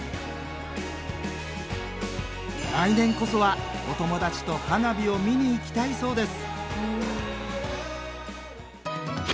来年こそはお友達と花火を見に行きたいそうです